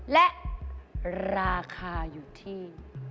และราคาอยู่ที่